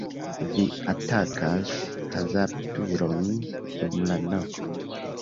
Vi atakas hazardulon dum la nokto.